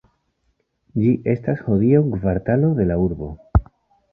Ĝi estas hodiaŭ kvartalo de la urbo.